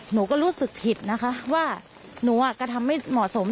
หนูก็รู้สึกผิดนะคะว่าหนูกระทำไม่เหมาะสม